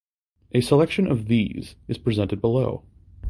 A selection of these is presented below.